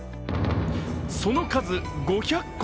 その数５００個。